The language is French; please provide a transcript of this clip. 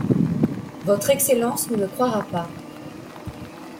Votre Excellence ne me croira pas.